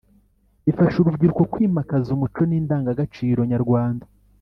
bifasha urubyiruko kwimakaza umuco n’indangagaciro nyarwanda.